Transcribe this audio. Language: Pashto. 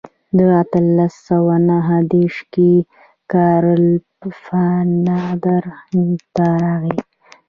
په اتلس سوه نهه دېرش کې کارل پفاندر هند ته راغی.